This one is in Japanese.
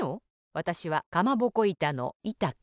わたしはかまぼこいたのいた子。